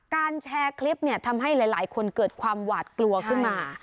แชร์คลิปเนี่ยทำให้หลายคนเกิดความหวาดกลัวขึ้นมา